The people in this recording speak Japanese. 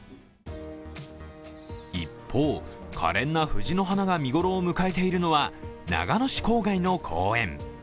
一方、かれんな藤の花が見ごろを迎えているのは長野市郊外の公園。